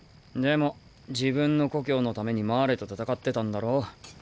でも自分の故郷のためにマーレと戦ってたんだろ？